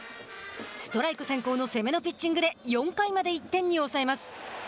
ストライク先行の攻めのピッチングで４回まで１点に抑えます。